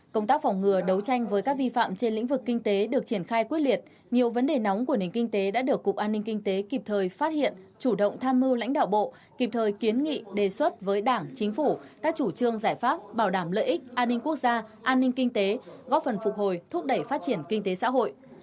công tác phòng ngừa đấu tranh với các vi phạm trên lĩnh vực kinh tế được triển khai quyết liệt nhiều vấn đề nóng của nền kinh tế đã được cục an ninh kinh tế kịp thời phát hiện chủ động tham mưu lãnh đạo bộ kịp thời kiến nghị đề xuất với đảng chính phủ các chủ trương giải pháp bảo đảm lợi ích an ninh quốc gia an ninh kinh tế góp phần phục hồi thúc đẩy phát triển kinh tế xã hội